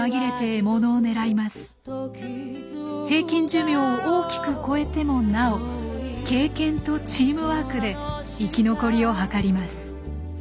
平均寿命を大きく超えてもなお経験とチームワークで生き残りをはかります。